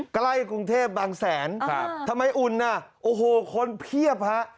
ใกล้กรุงเทพบางแสนทำไมอุ่นน่ะโอ้โหคนเพียบฮะ